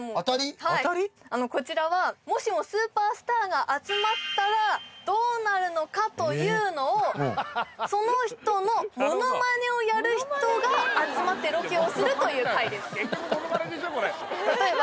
こちらはもしもスーパースターが集まったらどうなるのかというのをその人のモノマネをやる人が集まってロケをするという会です